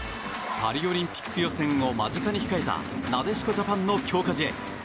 パリオリンピック予選を間近に控えたなでしこジャパンの強化試合。